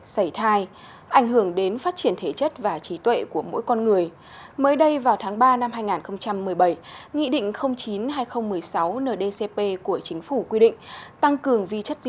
xin chào các bạn